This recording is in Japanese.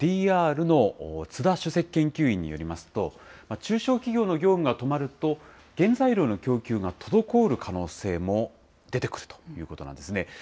アールの津田主席研究員によりますと、中小企業の業務が止まると、原材料の供給が滞る可能性も出てくるということなんですね。